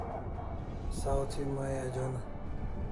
Saw thi mai ajonan